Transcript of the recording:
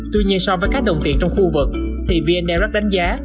tuy nhiên so với các đồng tiền trong khu vực thì vn direct đánh giá